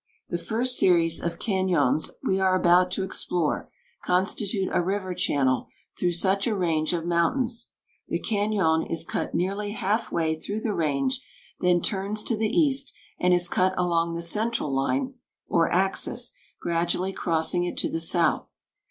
The first series of cañons we are about to explore constitute a river channel through such a range of mountains. The cañon is cut nearly half way through the range, then turns to the east, and is cut along the central line, or axis, gradually crossing it to the south.